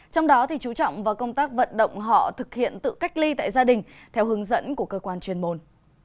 trong đó chú trọng vào công tác vận động họ thực hiện tự cách ly tại gia đình theo hướng dẫn của cơ quan chuyên môn